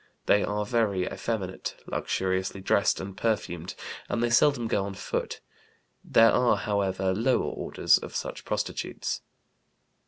They are very effeminate, luxuriously dressed and perfumed, and they seldom go on foot. There are, however, lower orders of such prostitutes.